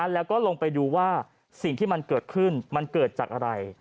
แล้วก็ลงไปดูว่าสิ่งที่มันเกิดขึ้นมันเกิดจากอะไร